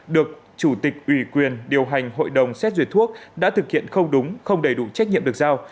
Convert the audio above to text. được chủ tịch ủy quyền điều hành hội đồng xét duyệt thuốc đã thực hiện không đúng không đầy đủ trách nhiệm được giao